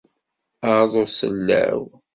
Aḍu sellaw